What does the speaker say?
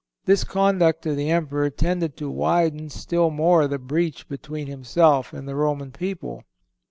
This conduct of the Emperor tended to widen still more the breach between himself and the Roman people.